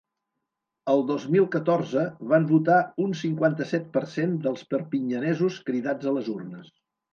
El dos mil catorze van votar un cinquanta-set per cent dels perpinyanesos cridats a les urnes.